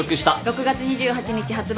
６月２８日発売